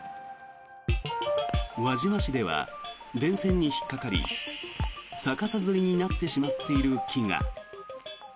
輪島市では電線に引っかかり逆さづりになってしまっている木が。